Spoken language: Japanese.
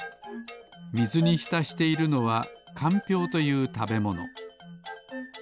みずにひたしているのはかんぴょうというたべもの。